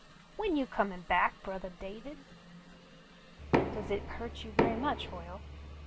When you comin' back, brothah David ?" "Does itjburt you very much, Hoyle.'